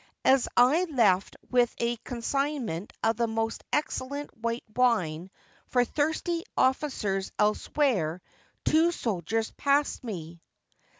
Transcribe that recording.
As I left with a consignment of the most excellent white wine, for thirsty officers elsewhere, two soldiers passed me.